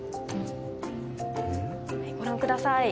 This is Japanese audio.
ご覧ください。